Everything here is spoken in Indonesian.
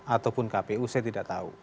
ataupun kpu saya tidak tahu